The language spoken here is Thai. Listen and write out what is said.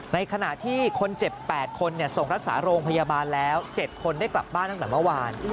ในขณะที่คนเจ็บ๘คนส่งรักษาโรงพยาบาลแล้ว๗คนได้กลับบ้านตั้งแต่เมื่อวาน